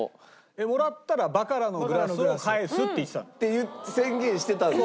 もらったらバカラのグラスを返すって言ってたの。って宣言してたんです。